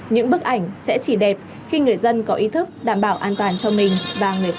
những bức ảnh sẽ chỉ đẹp khi người dân có ý thức đảm bảo an toàn cho mình và người phụ nữ